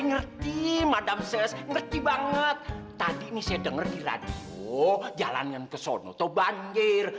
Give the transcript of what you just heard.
ngerti madam ses ngerti banget tadi nih saya denger di radio jalan yang kesana tuh banjir